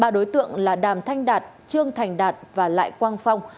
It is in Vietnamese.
ba đối tượng là đàm thanh đạt trương thành đạt và lại quang phong